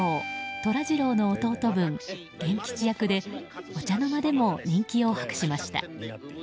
寅次郎の弟分源吉役でお茶の間でも人気を博しました。